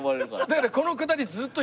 だからこのくだりずっといないの。